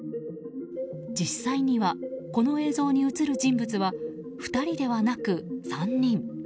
実際には、この映像に映る人物は２人ではなく３人。